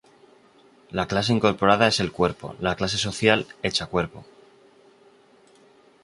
La clase incorporada es el cuerpo, la clase social hecha cuerpo.